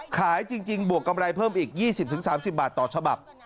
ขายจริงบวกกำไรเพิ่มอีก๒๐๓๐บาทต่อฉบับ